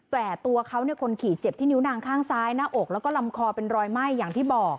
แต่ตัวเขาคนขี่เจ็บที่นิ้วนางข้างซ้ายหน้าอกแล้วก็ลำคอเป็นรอยไหม้อย่างที่บอก